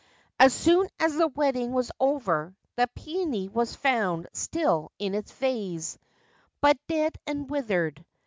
As soon as the wedding was over the peony was found still in its vase — but dead and withered.